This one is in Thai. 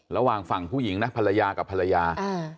ระหว่างฝั่งผู้หญิงนะภรรยากับภรรยา